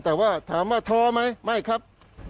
แต่ว่าถามว่าท้อไหมไม่ครับ